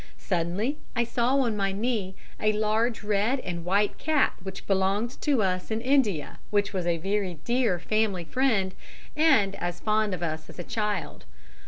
Suddenly I saw on my knee a large red and white cat which belonged to us in India, which was a very dear family friend and as fond of us as a child.